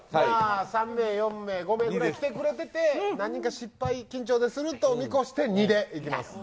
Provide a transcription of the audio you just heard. ３名、４名、５名ぐらい来てくれてて、何人か失敗、緊張ですると見越して２でいきます。